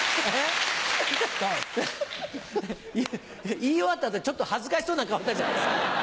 言い終わった後にちょっと恥ずかしそうな顔したじゃない。